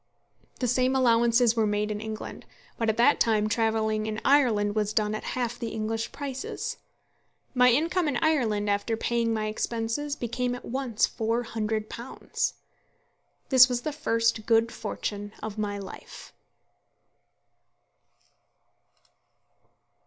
The same allowances were made in England; but at that time travelling in Ireland was done at half the English prices. My income in Ireland, after paying my expenses, became at once £400. This was the first good fortune of my life.